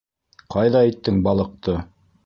- Ҡайҙа иттең балыҡты?